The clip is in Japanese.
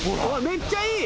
めっちゃいい！